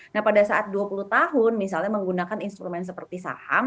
nah pada saat dua puluh tahun misalnya menggunakan instrumen seperti saham